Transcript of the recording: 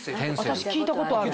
私聞いたことある。